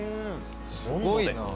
すごいな。